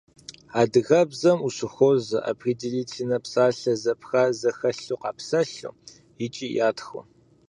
Адыгэбзэм ущыхуозэ определительнэ псалъэ зэпха зэхэлъу къапсэлъу икӏи ятхыу.